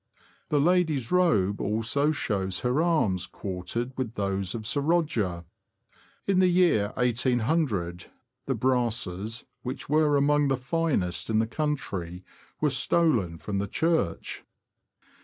The lady's robe also shows her arms quartered with those of Sir Roger. In the year 1800, the brasses, which were among the finest in the country, were stolen from the church.